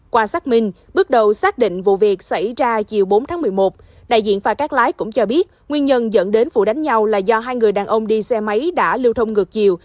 qua xác minh bước đầu xác định vụ việc xảy ra chiều bốn tháng một mươi một đại diện phà cắt lái cũng cho biết nguyên nhân dẫn đến vụ đánh nhau là do hai người đàn ông đi xe máy đã lưu thông ngược chiều